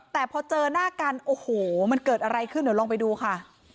แต่พอเจอหน้ากันโอ้โหมันเกิดอะไรขึ้นเดี๋ยวลองไปดูค่ะ